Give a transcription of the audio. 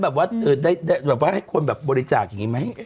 แบบว่าให้คนบริจาคอย่างนี้ไหม